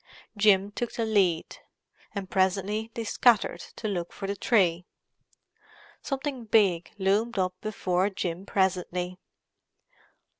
Jim took the lead, and presently they scattered to look for the tree. Something big loomed up before Jim presently.